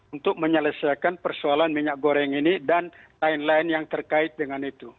untuk menyelesaikan persoalan minyak goreng ini dan lain lain yang terkait dengan itu